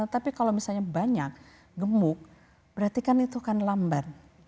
tapi kalau misalnya banyak gemuk berarti kan itu akan lamban